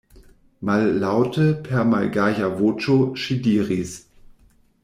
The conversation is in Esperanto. Mallaŭte, per malgaja voĉo ŝi diris: